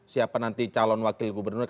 siapa nanti calon wakil gubernur